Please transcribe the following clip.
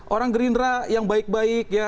orang gerindra yang baik baik ya